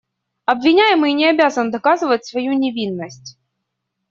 Обвиняемый не обязан доказывать свою невиновность.